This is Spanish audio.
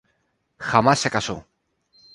Jamás se casó.